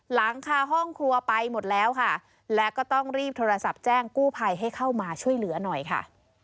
หลังคาห้องครัวไปหมดแล้วค่ะแล้วก็ต้องรีบโทรศัพท์แจ้งกู้ภัยให้เข้ามาช่วยเหลือหน่อยค่ะ